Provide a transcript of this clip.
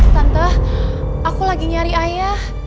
tante aku lagi nyari ayah